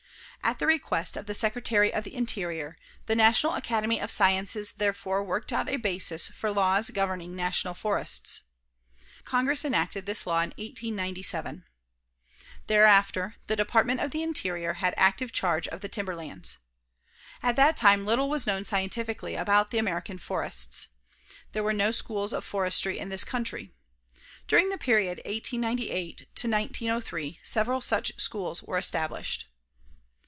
At the request of the Secretary of the Interior, the National Academy of Sciences therefore worked out a basis for laws governing national forests. Congress enacted this law in 1897. Thereafter the Department of the Interior had active charge of the timberlands. At that time little was known scientifically about the American forests. There were no schools of forestry in this country. During the period 1898 1903, several such schools were established.